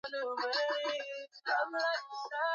Oh Hallelujah, Bwana